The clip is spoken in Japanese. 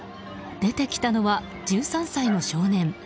出てきたのは１３歳の少年。